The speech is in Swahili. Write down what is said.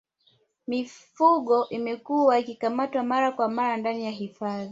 mifugo imekuwa ikikamatwa mara kwa mara ndani ya hifadhi